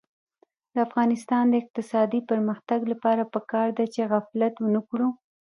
د افغانستان د اقتصادي پرمختګ لپاره پکار ده چې غفلت ونکړو.